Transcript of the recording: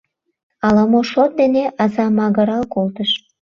Ала-мо шот дене аза магырал колтыш.